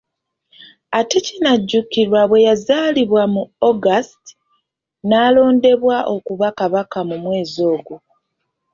Ate kinajjukirwa bwe yazaalibwa mu August, n'alondebwa okuba Kabaka mu mwezi ogwo.